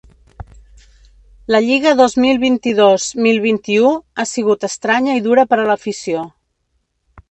La lliga dos mil vint-dos mil vint-i-u ha sigut estranya i dura per a l’afició.